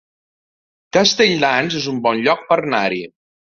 Castelldans es un bon lloc per anar-hi